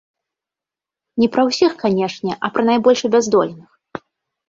Не пра ўсіх, канешне, а пра найбольш абяздоленых.